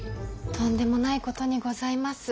とんでもないことにございます。